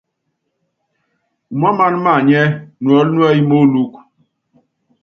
Úmáaman maanyɛ́, nuɔ́l núɛ́y móolúk.